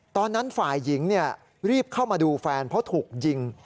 ตอนนั้นฝ่ายหญิงรีบเข้ามาดูแฟนเพราะถูกยิง